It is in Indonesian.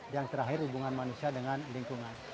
yang terakhir hubungan manusia dengan lingkungan